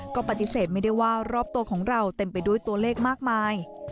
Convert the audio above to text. ก็ปฏิเสธไม่ได้ว่ารอบตัวของเราเต็มไปด้วยตัวเลขมากมาย